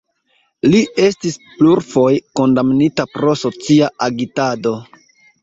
Li estis plurfoje kondamnita pro socia agitado.